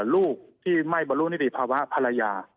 ลูกที่ไม่บรรลุนิติภาวะภรรยา